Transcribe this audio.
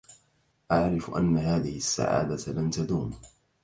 أعرف أنّ هذه السّعادة لن تدوم.